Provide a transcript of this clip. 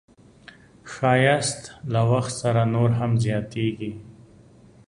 ښایست له وخت سره نور هم زیاتېږي